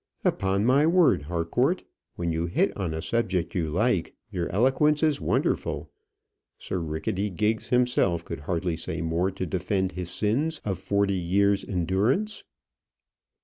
"Upon my word, Harcourt, when you hit on a subject you like, your eloquence is wonderful. Sir Ricketty Giggs himself could hardly say more to defend his sins of forty years' endurance."